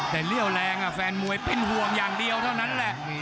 แต่เรี่ยวแรงแฟนมวยเป็นห่วงอย่างเดียวเท่านั้นแหละ